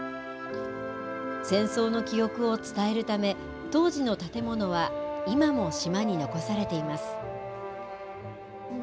戦争の記憶を伝えるため、当時の建物は今も島に残されています。